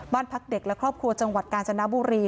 บ้านพักเด็กและครอบครัวจังหวัดกาญจนบุรี